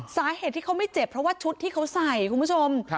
สาเหตุที่เขาไม่เจ็บเพราะว่าชุดที่เขาใส่คุณผู้ชม